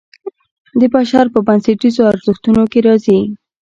د بشر په بنسټیزو ارزښتونو کې راځي.